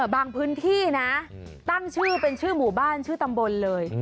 บางพื้นที่นะตั้งชื่อเป็นชื่อหมู่บ้านชื่อตำบลเลย